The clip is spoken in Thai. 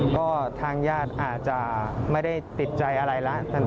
ก็ทางญาติอาจจะไม่ได้ติดใจอะไรแล้ว